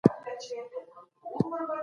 د هوا ککړتیا د هر چا د ژوند لپاره خطر دی.